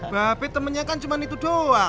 bapak temennya kan cuman itu doh